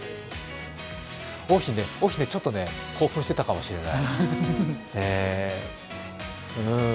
桜浜ね、ちょっとね興奮してたかもしれない。